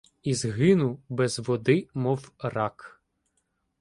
Ізгину, без води мов рак.